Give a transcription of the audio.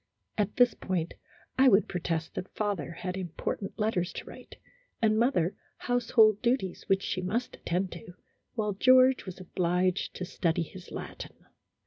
At this point, I would protest that father had important letters to write, and mother household duties which she must attend to, while George was obliged to study his Latin.